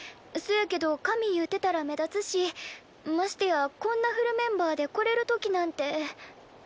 そやけどかみゆうてたら目立つしましてやこんなフルメンバーで来れる時なんて。